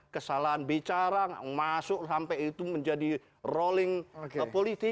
kesalahan bicara masuk sampai itu menjadi rolling politik